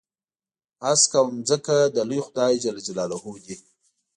هسک او ځمکه د لوی خدای جل جلاله دي.